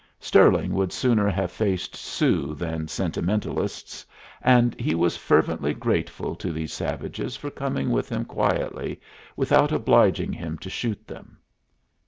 Stirling would sooner have faced Sioux than sentimentalists, and he was fervently grateful to these savages for coming with him quietly without obliging him to shoot them.